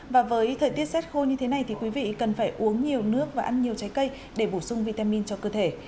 và với thời tiết xét khô như thế này thì quý vị cần phải uống nhiều nước và ăn nhiều trái cây để bổ sung vitamin cho cơ thể